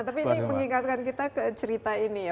tapi ini mengingatkan kita ke cerita ini ya